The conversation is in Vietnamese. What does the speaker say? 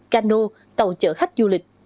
cano tàu chở khách du lịch